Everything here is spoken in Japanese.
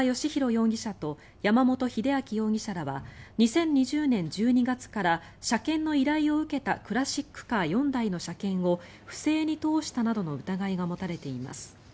容疑者と山本秀明容疑者らは２０２０年１２月から車検の依頼を受けたクラシックカー４台の車検を不正に通したなどの疑いが持たれています。